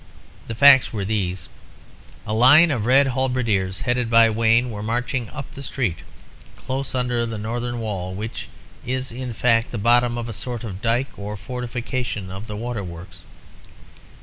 The facts were these. A line of red halberdiers, headed by Wayne, were marching up the street, close under the northern wall, which is, in fact, the bottom of a sort of dyke or fortification of the Waterworks.